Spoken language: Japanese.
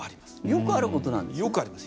よくあることなんですか？